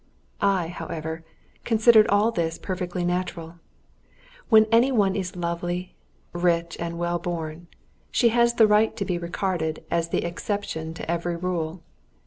I, however, considered all this perfectly natural. When any one is lovely, rich, and well born, she has the right to be regarded as the exception to every rule.